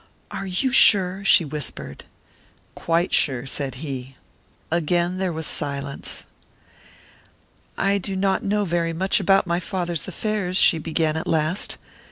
"Are you sure?" she whispered. "Quite sure," said he. Again there was silence. "I do not know very much about my father's affairs," she began, at last.